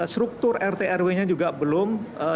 struktur rtrw nya juga belum